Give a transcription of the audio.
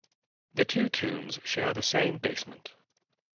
The two tombs share the same basement.